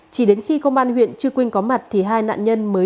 chỉ đến khi công an huyện trư quynh có mặt thì hai nạn nhân mới